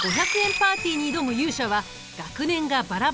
パーティーに挑む勇者は学年がバラバラなこの４人。